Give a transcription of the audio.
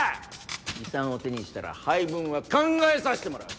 遺産を手にしたら配分は考えさせてもらう！